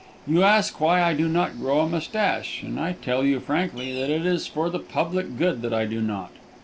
You ask why I do not grow a mustache, and I tell you frankly that it is for the public good that I do not.